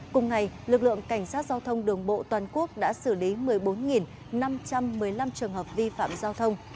cùng ngày lực lượng cảnh sát giao thông đường bộ toàn quốc đã xử lý một mươi bốn năm trăm một mươi năm trường hợp vi phạm giao thông